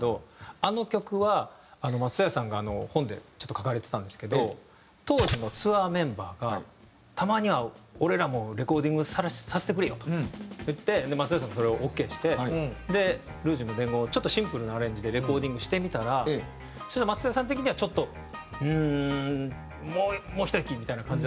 あの曲は松任谷さんが本でちょっと書かれてたんですけど当時のツアーメンバーが「たまには俺らもレコーディングさせてくれよ」と言って松任谷さんもそれをオーケーして『ルージュの伝言』をちょっとシンプルなアレンジでレコーディングしてみたらそしたら松任谷さん的にはちょっとうーんもうひと息みたいな感じだったらしいんですよ。